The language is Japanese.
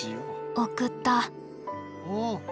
送った。